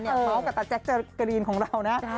เมาส์กับตาแจ๊คเจอร์กรีนของเรานะ